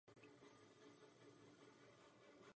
Film uspěl i při udílení Evropské filmové ceny.